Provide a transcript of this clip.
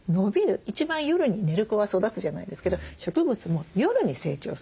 一番夜に寝る子は育つじゃないですけど植物も夜に成長するんです。